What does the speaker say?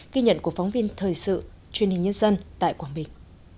ghi nhận của phóng viên thời sự truyền hình nhân dân tại quảng bình